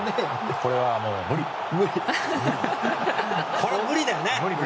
これは無理だよね。